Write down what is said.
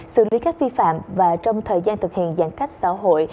xử lý các vi phạm và trong thời gian thực hiện giãn cách xã hội